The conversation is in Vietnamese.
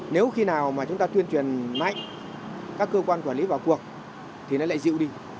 nếu khi nào mà chúng ta tuyên truyền mạnh các cơ quan quản lý vào cuộc thì nó lại dịu đi